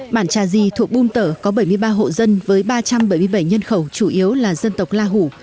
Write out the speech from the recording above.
bản trà di thuộc bum tở có bảy mươi ba hộ dân với ba trăm bảy mươi bảy nhân khẩu chủ yếu là dân tộc la hủ